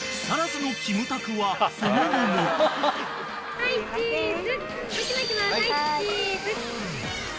はいチーズ。